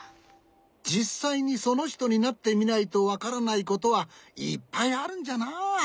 じっさいにそのひとになってみないとわからないことはいっぱいあるんじゃな。